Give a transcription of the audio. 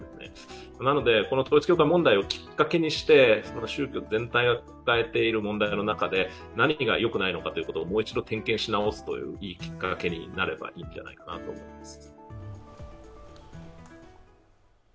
なので、この統一教会問題をきっかけにして宗教全体が抱えている問題の中で何がよくないのか、もう一度点検し直すといういいきっかけになればいいんじゃないかなと思います。